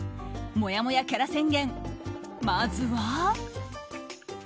もやもやキャラ宣言、まずは。